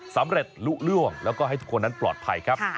สำเร็จลุล่วงแล้วก็ให้ทุกคนนั้นปลอดภัยครับ